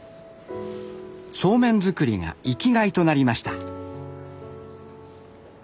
そうめん作りが生きがいとなりました。